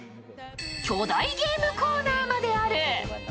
巨大ゲームコーナーまである。